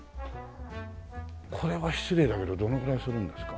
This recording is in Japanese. これは失礼だけどどのくらいするんですか？